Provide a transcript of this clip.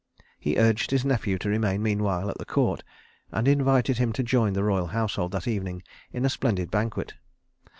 He urged his nephew to remain meanwhile at the court, and invited him to join the royal household that evening in a splendid banquet.